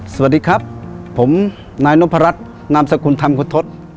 สวัสดีครับผมนายนพรัชนามสกุลธรรมคุณทศ